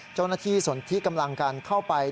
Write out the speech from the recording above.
เจ้าหน้าที่สวนที่กำลังการเข้าไป